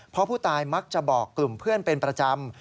เพราะผู้ตายมักจะบอกกลุ่มเพื่อนเป็นประจำ